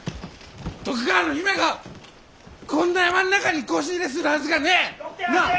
徳川の姫がこんな山ん中にこし入れするはずがねえ！なあ？